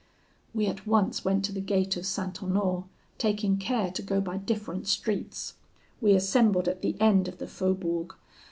"We at once went to the gate of St. Honore, taking care to go by different streets. We assembled at the end of the faubourg.